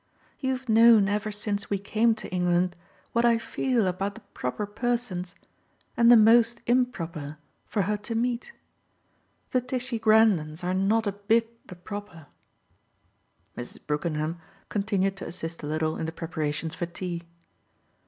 You've known ever since we came to England what I feel about the proper persons and the most improper for her to meet. The Tishy Grendons are not a bit the proper." Mrs. Brookenham continued to assist a little in the preparations for tea.